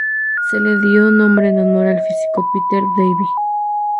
Se le dio nombre en honor al físico Peter Debye.